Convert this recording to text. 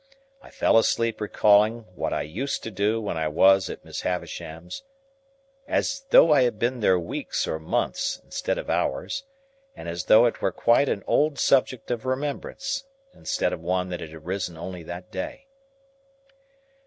I fell asleep recalling what I "used to do" when I was at Miss Havisham's; as though I had been there weeks or months, instead of hours; and as though it were quite an old subject of remembrance, instead of one that had arisen only that day.